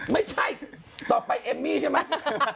ไม่ใช่ต่อไปเอมมี่ใช่ไหม